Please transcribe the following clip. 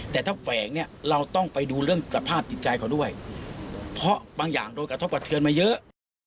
แต่ถ้าแฝงเนี่ยเราต้องไปดูเรื่องสภาพจิตใจเขาด้วยเพราะบางอย่างโดนกระทบกระเทือนมาเยอะ